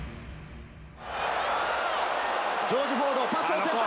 ジョージ・フォード、パスを選択。